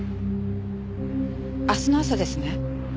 明日の朝ですね？